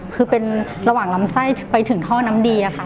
คือเป็นระหว่างลำไส้ไปถึงท่อน้ำดีค่ะ